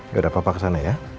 gak ada apa apa kesana ya